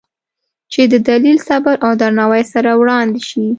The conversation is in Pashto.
چې د دلیل، صبر او درناوي سره وړاندې شي،